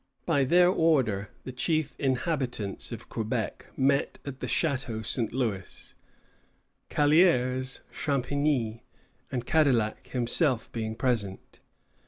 By their order the chief inhabitants of Quebec met at the Château St. Louis, Callières, Champigny, and Cadillac himself being present.